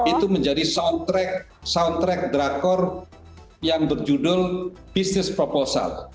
itu menjadi soundtrack drakor yang berjudul bisnis proposal